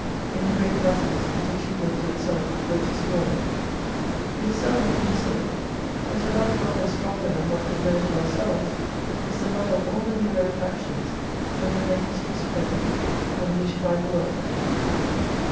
In the great hazards it achieveth to itself the greatest glory. It is seldom considered ; but a love to others stronger than what we bear to ourselves, is the mother of all the heroic actions that have made histories pleasant, and beautified the world.